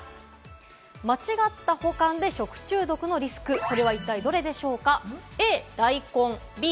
間違った保管で食中毒のリスク、それは一体どれでしょうか？